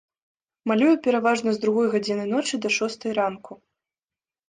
Малюю пераважна з другой гадзіны ночы да шостай ранку.